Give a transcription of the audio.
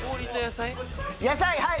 野菜はい！